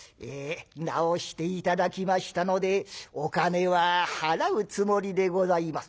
「治して頂きましたのでお金は払うつもりでございます」。